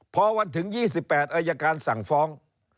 พอวันถึง๒๘อายการสั่งฟ้อง